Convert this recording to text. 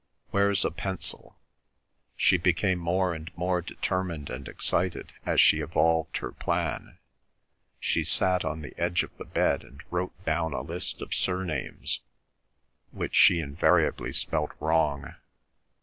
Where's a pencil?" She became more and more determined and excited as she evolved her plan. She sat on the edge of the bed and wrote down a list of surnames, which she invariably spelt wrong.